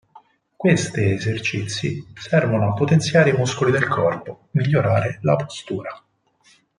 Queste esercizi servono a potenziare i muscoli del corpo, migliorare la postura.